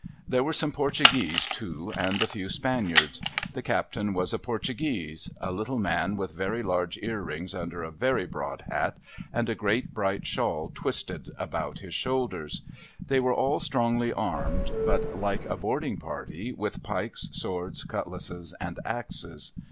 There were some Portuguese, too, and a few Spaniards. The captain was a Portuguese ; a little man with very large ear rings under a very broad hat, and a great bright shawl twisted about his shoulders. They were all strongly armed, but like a boarding party, with pikes, swords, cutlasses, and axes.